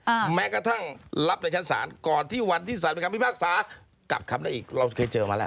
แม้กระทั่งรับในชั้นศาลก่อนที่วันที่สารเป็นคำพิพากษากลับคำได้อีกเราเคยเจอมาแล้ว